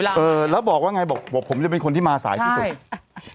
เออแล้วบอกว่าไงบอกผมจะเป็นคนที่มาสายที่สุด